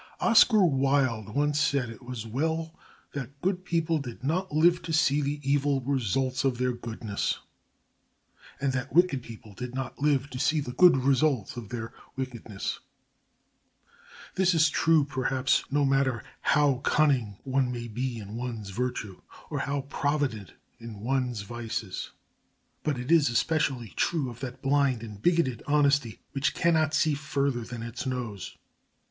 Oscar Wilde once said it was well that good people did not live to see the evil results of their goodness and that wicked people did not live to see the good results of their wickedness. This is true, perhaps, no matter how cunning one may be in one's virtue or how provident in one's vices. But it is especially true of that blind and bigoted honesty which cannot see farther than its nose.